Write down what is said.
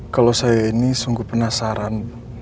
kalau saya ini sungguh penasaran